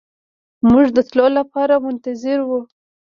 موږ د تللو لپاره منتظر وو.